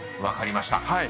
［分かりました。